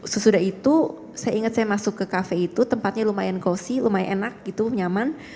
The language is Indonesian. sesudah itu saya ingat saya masuk ke kafe itu tempatnya lumayan cosi lumayan enak gitu nyaman